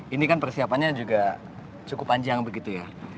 ini kan persiapannya juga cukup panjang begitu ya